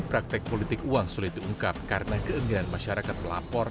praktik politik uang sulit diungkap karena keenggaraan masyarakat melapor